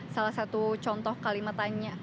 salah satu contoh kalimatanya